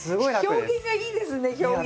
表現がいいですね表現。